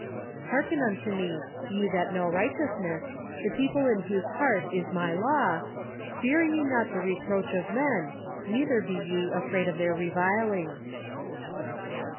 " Hearken unto me, ye that knoto righteousness ,, the people in whose heart is my law; fear ye n the reproach of men, neither he ye afraid of their revilings